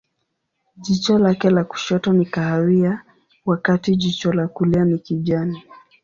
Jicho lake la kushoto ni kahawia, wakati jicho la kulia ni kijani.